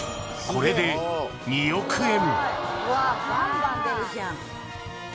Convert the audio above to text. これで２億円